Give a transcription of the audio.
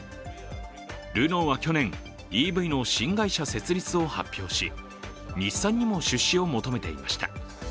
ルノーは去年、ＥＶの新会社設立を発表し、日産にも出資を求めていました。